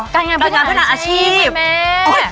การงานผู้หญิงอาชีพ